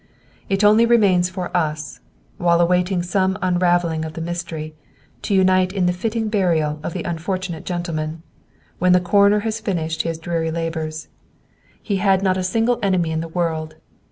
"It only remains for us, while awaiting some unravelling of the mystery, to unite in the fitting burial of the unfortunate gentleman, when the Coroner has finished his dreary labors. He had not a single enemy in the world!